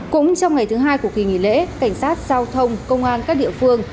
cũng trong ngày thứ hai của kỳ nghỉ lễ cảnh sát giao thông công an các địa phương